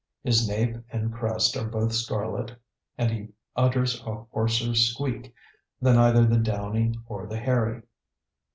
His nape and crest are both scarlet and he utters a hoarser squeak than either the downy or the hairy.